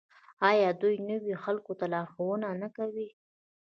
آیا دوی نویو خلکو ته لارښوونه نه کوي؟